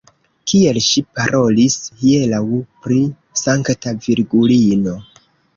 Kiel ŝi parolis hieraŭ pri Sankta Virgulino.